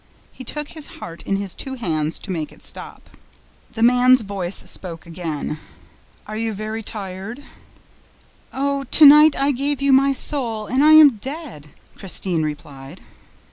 He took his heart in his two hands to make it stop. The man's voice spoke again: "Are you very tired?" "Oh, to night I gave you my soul and I am dead!" Christine replied.